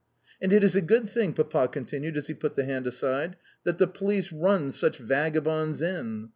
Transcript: "And it is a good thing," Papa continued as he put the hand aside, "that the police run such vagabonds in.